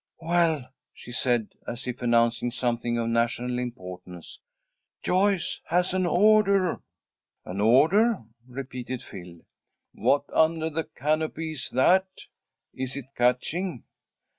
"Well," she said, as if announcing something of national importance, "Joyce has an order." "An order," repeated Phil, "what under the canopy is that? Is it catching?"